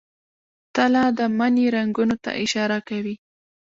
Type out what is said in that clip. تله د مني رنګونو ته اشاره کوي.